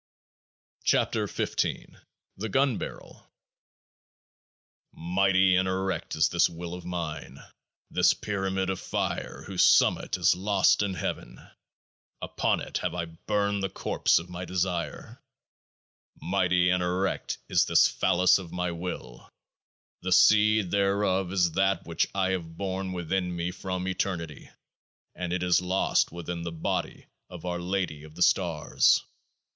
23 KEOAAH IE THE GUN BARREL Mighty and erect is this Will of mine, this Pyramid of fire whose summit is lost in Heaven. Upon it have I burned the corpse of my desires. Mighty and erect is this OaAAoc, of my Will. The seed thereof is That which I have borne within me from Eternity ; and it is lost within the Body of Our Lady of the Stars.